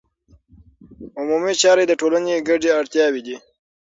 عمومي چارې د ټولنې ګډې اړتیاوې دي.